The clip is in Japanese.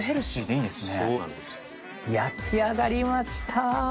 焼き上がりました。